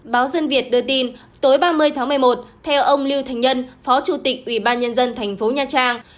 báo dân việt đưa tin tối ba mươi tháng một mươi một theo ông lưu thành nhân phó chủ tịch ủy ban nhân dân thành phố nha trang